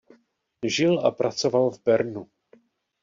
Žil a pracoval v Bernu.